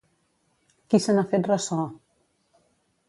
Qui se n'ha fet ressò?